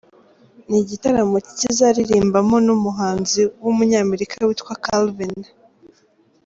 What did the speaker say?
Ni igitaramo kizaririmbamo n'umuhanzi w'umunyamerika witwa Calvin.